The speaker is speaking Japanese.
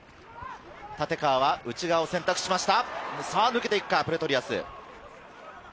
立川は内側を選択しました。